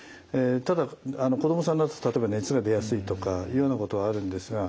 ただ子どもさんだと例えば熱が出やすいとかいうようなことはあるんですが。